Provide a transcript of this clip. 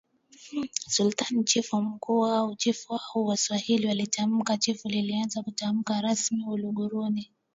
ya SultanChifu Mkuu au Chifu au Waswahili wakitamka Chifu lilianza kutumika rasmi Uluguruni